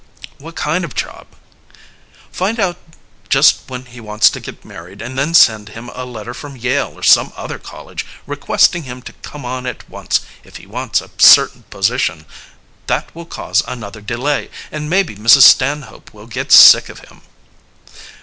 "What kind of a job?" "Find out just when he wants to get married and then send him a letter from Yale or some other college, requesting him to come on at once if he wants a certain position. That will cause another delay, and maybe Mrs. Stanhope will get sick of him."